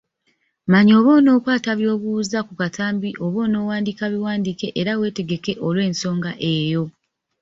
Manya oba onookwata by’obuuza ku katambi oba onoowandiika biwandiike era weetegeke olw’ensonga eyo.